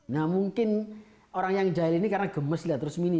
nah mungkin orang yang jahil ini karena gemes lihat rusmini